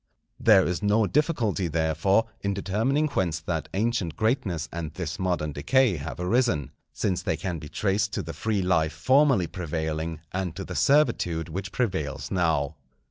There is no difficulty, therefore, in determining whence that ancient greatness and this modern decay have arisen, since they can be traced to the free life formerly prevailing and to the servitude which prevails now.